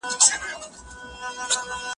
لکه د خپلو زړو جامو له وږم سره وروست عادت